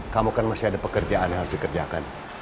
kamu kan masih ada pekerjaan yang harus dikerjakan